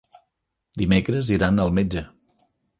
Dimecres iran al metge.